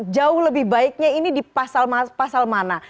jauh lebih baiknya ini di pasal mana